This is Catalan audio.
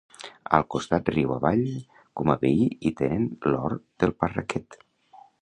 Al costat, riu avall, com a veí hi tenen l'hort del Parraquet.